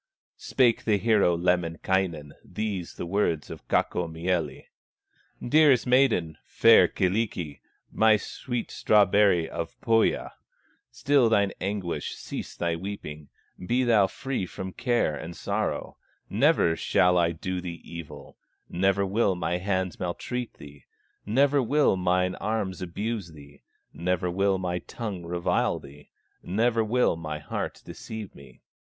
Spake the hero, Lemminkainen, These the words of Kaukomieli: "Dearest maiden, fair Kyllikki, My sweet strawberry of Pohya, Still thine anguish, cease thy weeping, Be thou free from care and sorrow, Never shall I do thee evil, Never will my hands maltreat thee, Never will mine arms abuse thee, Never will my tongue revile thee, Never will my heart deceive thee.